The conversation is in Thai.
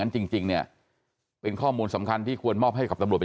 จริงเนี่ยเป็นข้อมูลสำคัญที่ควรมอบให้กับตำรวจเป็น